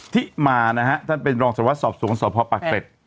ที่มานะฮะท่านเป็นรองสรวจสอบสูงสอบพอปากเป็ด